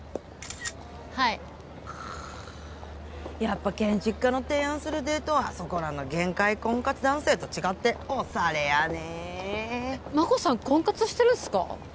はいかっやっぱ建築家の提案するデートはそこらの限界婚活男性と違ってオサレやね眞子さん婚活してるんすか？